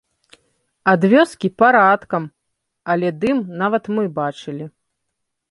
Ад вёскі парадкам, але дым нават мы бачылі.